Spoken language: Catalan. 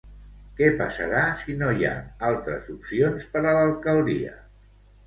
Què passarà si no hi ha altres opcions per a l'alcaldia?